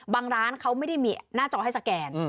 ร้านเขาไม่ได้มีหน้าจอให้สแกน